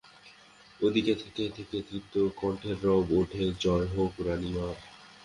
ও দিকে থেকে-থেকে তৃপ্ত কণ্ঠের রব ওঠে, জয় হোক রানীমার।